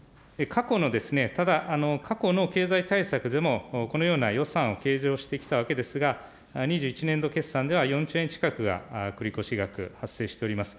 過去の、ただ、過去の経済対策でもこのような予算を計上してきたわけですが、２１年度決算では４兆円近くが繰り越し額発生しております。